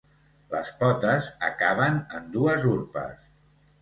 Les potes acaben en dues urpes.